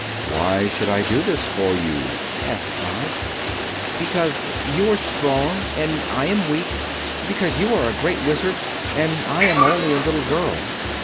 "Why should I do this for you?" asked Oz. "Because you are strong and I am weak; because you are a Great Wizard and I am only a little girl."